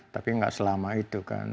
tapi nggak selama itu kan